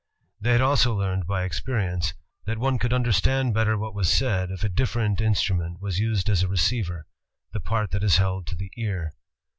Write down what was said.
They had also learned by experience, that one could understand better what was said, if a different instrument was used as a receiver, — the part that is held to the ear.